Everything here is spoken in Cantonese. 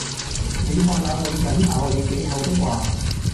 你看那女人「咬你幾口」的話，